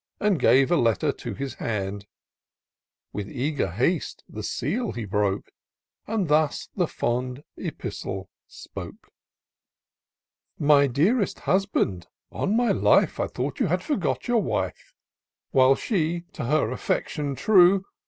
And gave a letter to his hand^ With eager haste the seal he broke, And thus the fond epistle spoke :—" My dearest husband— on my life, I thought you had forgot your wife ; While she, to her affection true.